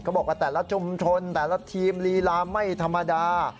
บอกว่าแต่ละชุมชนแต่ละทีมลีลาไม่ธรรมดา